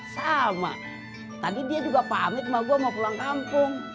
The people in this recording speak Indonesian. sama tadi dia juga pamit rumah gua mau pulang kampung